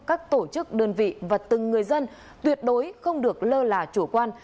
các tổ chức đơn vị và từng người dân tuyệt đối không được lơ là chủ quan